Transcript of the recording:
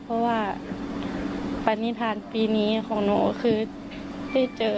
แต่ว่ายังไม่เคยได้เจอ